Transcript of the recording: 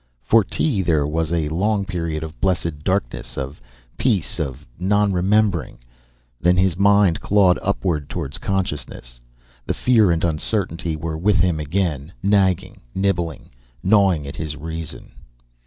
For Tee there was a long period of blessed darkness, of peace, of non remembering, then his mind clawed upward toward consciousness. The fear and uncertainty were with him again nagging, nibbling, gnawing at his reason.